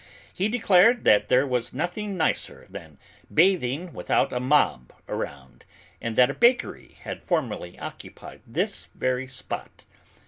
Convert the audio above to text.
He declared that there was nothing nicer than bathing without a mob around, and that a bakery had formerly occupied this very spot.